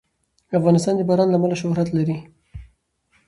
افغانستان د باران له امله شهرت لري.